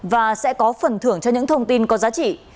và sẽ có phần thưởng cho những thông tin có giá trị